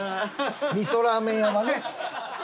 味噌ラーメン屋はね。